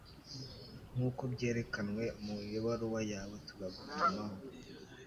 Nkuko byerekanwe mu ibaruwa yawe turagutumaho